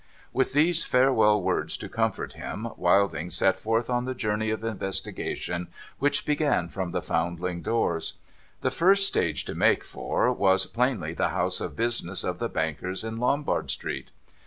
With those farewell words to comfort him, Wilding set forth on the journey of investigation which began from the Foundling doors. The first stage to make for, was plainly the house of business of the bankers in Lombard street.